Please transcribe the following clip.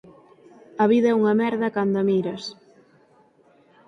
"A vida é unha merda cando a miras"